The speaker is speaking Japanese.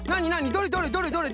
どれどれどれどれ？